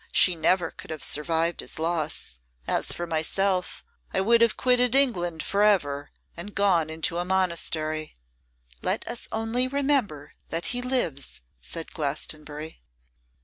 She never could have survived his loss. As for myself, I would have quitted England for ever, and gone into a monastery.' 'Let us only remember that he lives,' said Glastonbury.